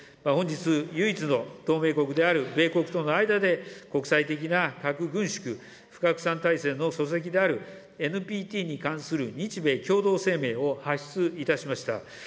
本日、唯一の同盟国である米国との間で、国際的な核軍縮、不拡散体制の礎石であるＮＰＴに関する日米共同声明を発出いたしました。